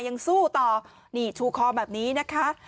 ยังสู้ต่อนี่ชูคอแบบนี้นะคะ